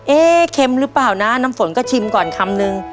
เค็มหรือเปล่านะน้ำฝนก็ชิมก่อนคำนึง